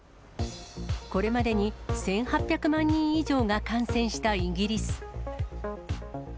これまでに１８００万人以上が感染したイギリス。